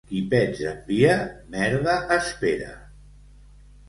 Qui pets envia, merda espera.